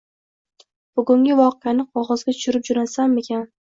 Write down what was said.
Bugungi voqeani qog`ozga tushirib jo`natsinmikin